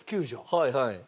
はいはい。